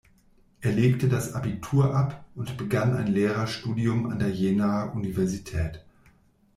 Er legte das Abitur ab und begann ein Lehrerstudium an der Jenaer Universität.